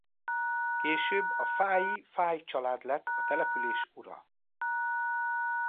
Később a fáji Fáy család lett a település ura.